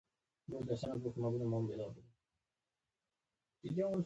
ملا صاحب مشوره راکړه.